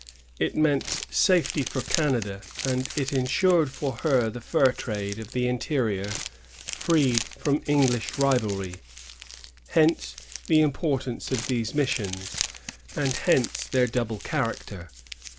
It meant safety for Canada, and it insured for her the fur trade of the interior freed from English rivalry. Hence the importance of these missions, and hence their double character.